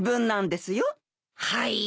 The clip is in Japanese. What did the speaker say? はい。